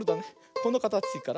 このかたちから。